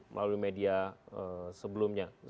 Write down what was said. melalui media sebelumnya